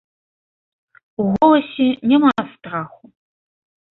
У голасе няма страху.